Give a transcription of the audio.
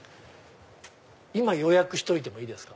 今予約しといてもいいですか？